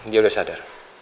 dia udah sadar